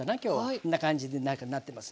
こんな感じで中なってます。